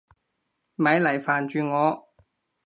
咪嚟煩住我！